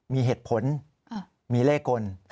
มีเหตุผลมีเลขกล